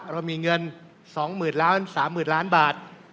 เรามีเงิน๒๐๐๐ล้าน๓๐๐๐ล้านบาท